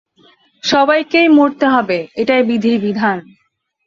সবাইকেই মরতে হবে এটাই বিধির বিধান।